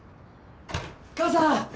・・母さん！